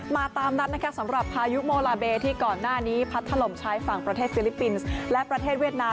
ตามนัดนะคะสำหรับพายุโมลาเบที่ก่อนหน้านี้พัดถล่มชายฝั่งประเทศฟิลิปปินส์และประเทศเวียดนาม